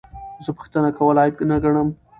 زه پوښتنه کول عیب نه ګڼم.